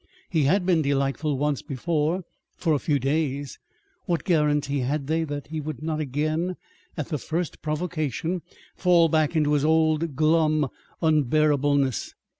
He had been delightful once before for a few days. What guaranty had they that he would not again, at the first provocation, fall back into his old glum unbearableness?